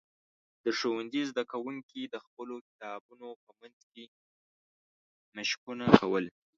د ښوونځي زده کوونکي د خپلو کتابونو په منځ کې مشقونه کول.